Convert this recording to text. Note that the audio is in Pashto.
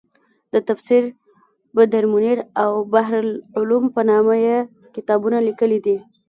د تفسیر بدرمنیر او بحرالعلوم په نامه یې کتابونه لیکلي دي.